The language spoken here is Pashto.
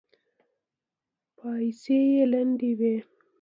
پايڅې يې لندې وې.